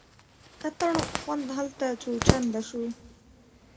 اتڼ خوند هلته څو چنده شو.